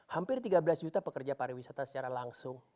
hampir tiga belas juta pekerja para wisata secara langsung